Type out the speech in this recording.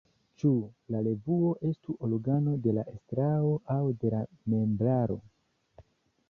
Ĉu la revuo estu organo de la estraro aŭ de la membraro?